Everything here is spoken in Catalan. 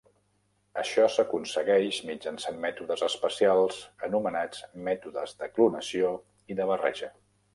Això s'aconsegueix mitjançant mètodes especials anomenats mètodes de "clonació" i de "barreja".